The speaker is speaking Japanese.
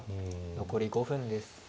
残り５分です。